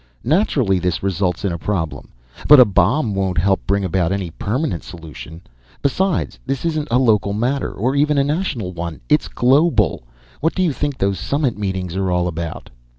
Naturally, this results in a problem. But a bomb won't help bring about any permanent solution. Besides, this isn't a local matter, or even a national one. It's global. What do you think those summit meetings are all about?"